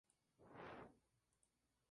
Mucho más que noticias.